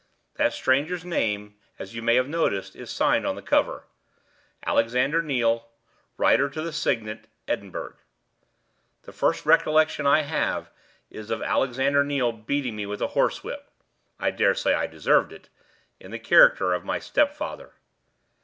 That stranger's name, as you may have noticed, is signed on the cover 'Alexander Neal, Writer to the Signet, Edinburgh.' The first recollection I have is of Alexander Neal beating me with a horsewhip (I dare say I deserved it), in the character of my stepfather."